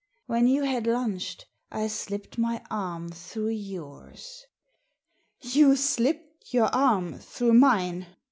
When you had lunched, I slipped my arm through yours "" You slipped your arm through mine